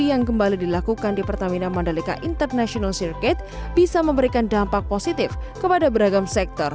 yang kembali dilakukan di pertamina mandalika international circuit bisa memberikan dampak positif kepada beragam sektor